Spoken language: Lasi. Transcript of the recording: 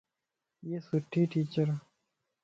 ائي سُٺي ٽيچر ا